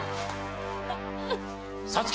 皐月！